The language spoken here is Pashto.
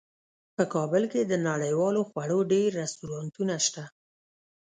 په کابل کې د نړیوالو خوړو ډیر رستورانتونه شته